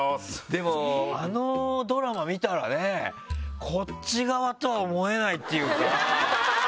でも、あのドラマ見たらこっち側とは思えないっていうか。